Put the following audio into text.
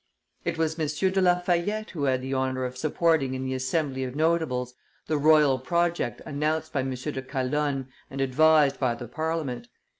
It was M. de Lafayette who had the honor of supporting in the assembly of notables the royal project announced by M. de Calonne and advised by the Parliament.